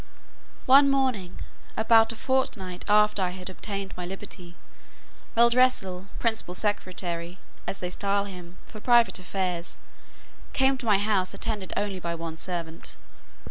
One morning, about a fortnight after I had obtained my liberty, Reldresal, principal secretary (as they style him) for private affairs, came to my house attended only by one servant.